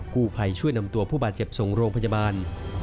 กู้ภัยช่วยนำตัวผู้บาดเจ็บส่งโรงพยาบาล